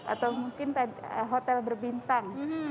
atau mungkin hotel berbintang